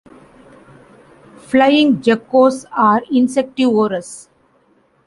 Flying geckos are insectivorous.